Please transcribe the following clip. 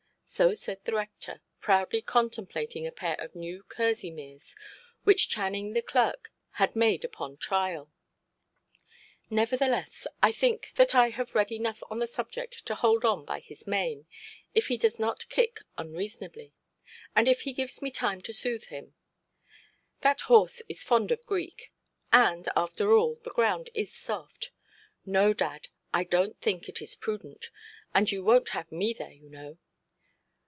So said the rector, proudly contemplating a pair of new kerseymeres, which Channing the clerk had made upon trial. "Nevertheless, I think that I have read enough on the subject to hold on by his mane, if he does not kick unreasonably. And if he gives me time to soothe him—that horse is fond of Greek—and, after all, the ground is soft". "No, dad, I donʼt think it is prudent. And you wonʼt have me there, you know".